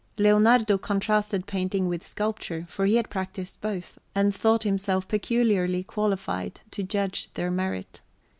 Leonardo contrasted painting with sculpture, for he had practised both, and thought himself peculiarly qualified to judge their merit.